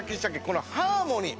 このハーモニー。